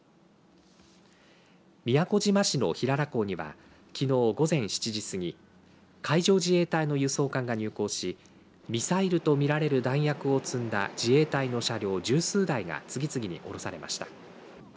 宮古島市の平良港にはきのう午前７時過ぎ海上自衛隊の輸送艦が入港しミサイルとみられる弾薬を積んだ自衛隊の車両十数台が次々に降ろされました。